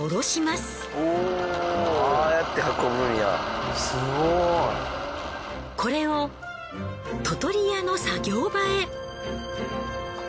すごい。これを砥取家の作業場へ。